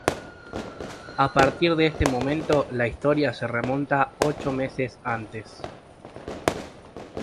A partir de este momento la historia se remonta ocho meses antes.